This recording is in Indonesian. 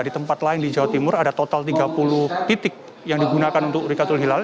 di tempat lain di jawa timur ada total tiga puluh titik yang digunakan untuk urikatul hilal